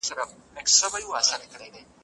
چاغوالی د ناروغیو مور ده.